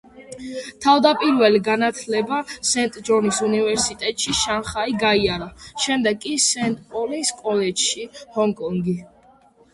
თავდაპირველი განათლება სენტ-ჯონის უნივერსიტეტში, შანხაი, გაიარა, შემდეგ კი სენტ-პოლის კოლეჯში, ჰონკონგი.